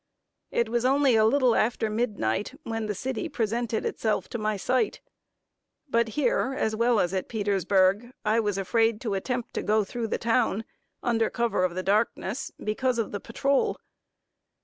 It was only a little after midnight, when the city presented itself to my sight; but here, as well as at Petersburg, I was afraid to attempt to go through the town, under cover of the darkness, because of the patrol.